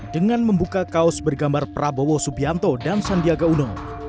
dengan membuka kaos bergambar prabowo subianto dan sandiaga uno